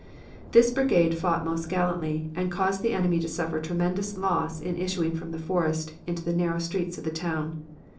This brigade fought most gallantly, and caused the enemy to suffer tremendous loss in issuing from the forest into the narrow streets of the town.